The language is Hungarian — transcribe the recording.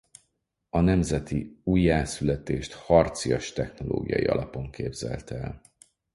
A nemzeti újjászületést harcias-technológiai alapon képzelte el.